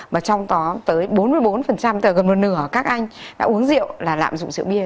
mà trong đó tới bốn mươi bốn gần một nửa các anh đã uống rượu là lạm dụng rượu bia